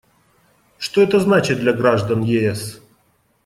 Что это значит для граждан ЕС?